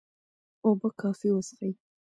اوبه کافي وڅښئ.